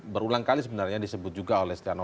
berulang kali sebenarnya disebut juga oleh stiano